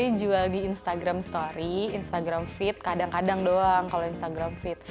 saya jual di instagram story instagram feed kadang kadang doang kalau instagram feed